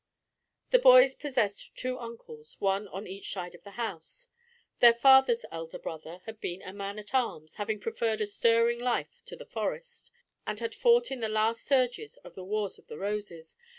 The boys possessed two uncles, one on each side of the house. Their father's elder brother had been a man at arms, having preferred a stirring life to the Forest, and had fought in the last surges of the Wars of the Roses.